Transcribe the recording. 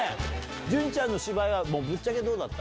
潤ちゃんの芝居はぶっちゃけどうだった？